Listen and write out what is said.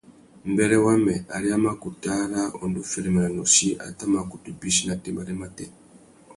Mbêrê wamê, ari a mà kutu ara undú féréména nôchï a tà mà kutu bîchi nà têbêrê matê.